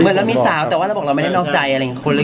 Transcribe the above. เหมือนเรามีสาวแต่เราบอกว่าเราไม่ได้นอกใจ